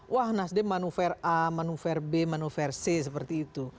wah nasdem manuver a manuver b manuver c seperti itu